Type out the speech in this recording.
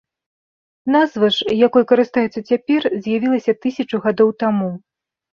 Назва ж, якой карыстаюцца цяпер, з'явілася тысячу гадоў таму.